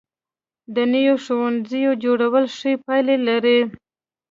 د نویو ښوونځیو جوړول ښې پایلې لري.